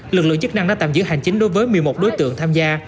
lực lượng chức năng đã tạm giữ hành chính đối với một mươi một đối tượng tham gia